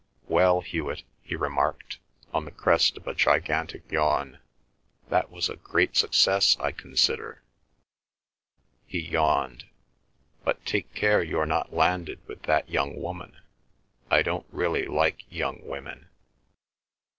"Well, Hewet," he remarked, on the crest of a gigantic yawn, "that was a great success, I consider." He yawned. "But take care you're not landed with that young woman. ... I don't really like young women.